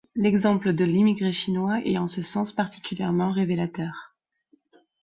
L'exemple de l'immigré chinois est en ce sens particulièrement révélateur.